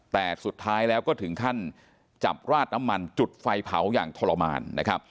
แต่สุดท้ายแล้วก็ถึงขั้นจับราดน้ำมันจุดไฟเผาอย่างทรมานนะครับ